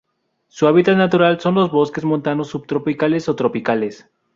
Su hábitat natural son los bosques montanos subtropicales o tropicales.